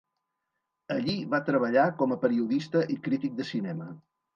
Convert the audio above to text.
Allí va treballar com a periodista i crític de cinema.